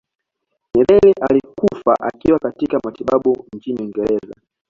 nyerere alikufa akiwa katika matibabu nchini uingereza